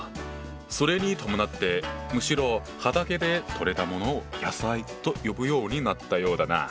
それに伴ってむしろ畑で取れたものを「野菜」と呼ぶようになったようだな。